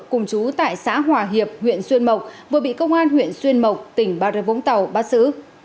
cùng chú tại xã hòa hiệp huyện xuyên mộc vừa bị công an huyện xuyên mộc tỉnh bà rê vũng tàu bắt giữ